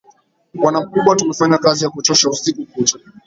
Bwana mkubwa, tumefanya kazi ya kuchosha usiku kucha.